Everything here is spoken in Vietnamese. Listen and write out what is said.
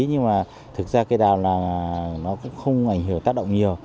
nhưng mà thực ra cây đào là nó cũng không ảnh hưởng tác động nhiều